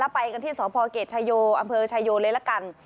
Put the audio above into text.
ไปกันที่สพเกรดชายโยอำเภอชายโยเลยละกัน